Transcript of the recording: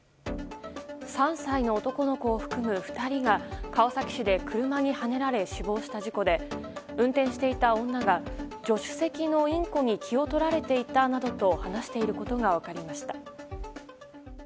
３歳の男の子を含む２人が川崎市で車にはねられ死亡した事故で運転していた女が助手席のインコに気を取られていたなどと話していることが分かりました。